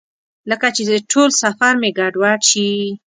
لکه چې ټول سفر مې ګډوډ شي.